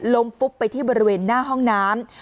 ฟุบไปที่บริเวณหน้าห้องน้ำ